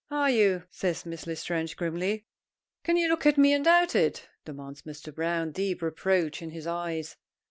"Are you?" says Miss L'Estrange, grimly. "Can you look at me and doubt it?" demands Mr. Browne, deep reproach in his eyes.